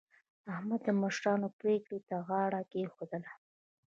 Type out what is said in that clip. احمد د مشرانو پرېکړې ته غاړه کېښودله.